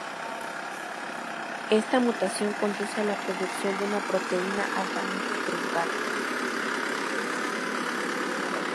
Esta mutación conduce a la producción de una proteína altamente truncada.